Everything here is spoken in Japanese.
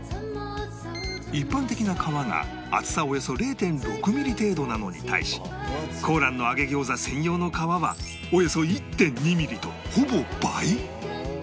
一般的な皮が厚さおよそ ０．６ ミリ程度なのに対し香蘭の揚餃子専用の皮はおよそ １．２ ミリとほぼ倍